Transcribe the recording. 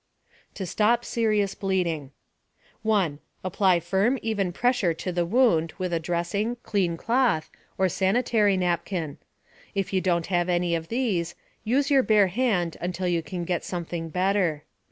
TO STOP SERIOUS BLEEDING 1. Apply firm, even pressure to the wound with a dressing, clean cloth, or sanitary napkin. If you don't have any of these, use your bare hand until you can get something better.